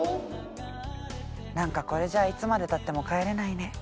なんかこれじゃいつまで経っても帰れないね。